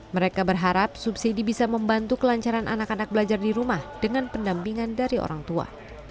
mereka berharap subsidi bisa membantu kelancaran anak anak belajar di rumah dengan pendampingan dari orang tua